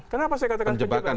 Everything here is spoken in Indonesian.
kenapa saya katakan penjebakan